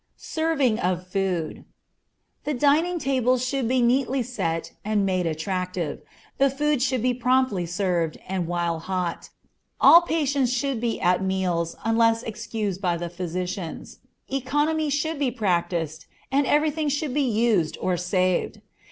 Serving of Food. The dining tables should be neatly set and made attractive; the food should be promptly served, and while hot; all patients should be at meals, unless excused by the physicians. Economy should be practised, and every thing should be used or saved.